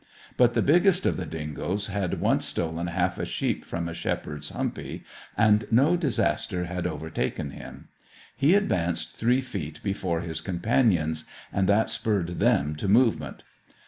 But the biggest of the dingoes had once stolen half a sheep from a shepherd's humpy, and no disaster had overtaken him. He advanced three feet before his companions, and that spurred them to movement.